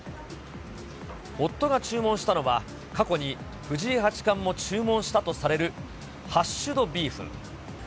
夫が注文したのは、過去に藤井八冠も注文したとされるハッシュドビーフ。